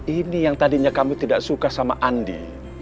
ini yang tadinya kami tidak suka sama andi